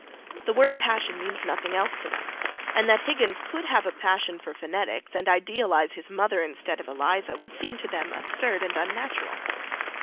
The word passion means nothing else to them; and that Higgins could have a passion for phonetics and idealize his mother instead of Eliza, would seem to them absurd and unnatural.